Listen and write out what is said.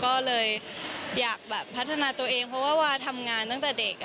ก็เลยอยากแบบพัฒนาตัวเองเพราะว่าวาทำงานตั้งแต่เด็ก